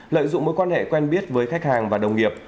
lợi dụng mối quan hệ quen biết với khách hàng và đồng nghiệp